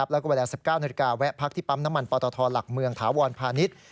แล้วก็เวลา๑๙นาฬิกาแวะพักที่ปั๊มน้ำมันปตทหลักเมืองถาวรพาณิชย์